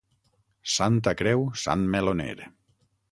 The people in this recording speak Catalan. Santa Creu, sant meloner.